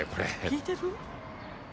聞いてる？